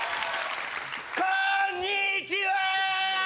こーんにちはー！